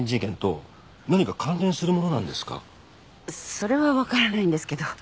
それは分からないんですけど。